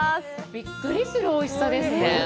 びっくりするおいしさですね。